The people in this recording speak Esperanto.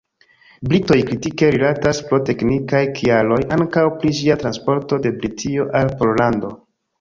Britoj kritike rilatis pro teknikaj kialoj ankaŭ pri ĝia transporto de Britio al Pollando.